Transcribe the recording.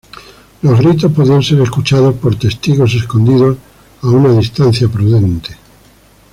Los gritos podían ser escuchados por testigos escondidos a una distancia prudente.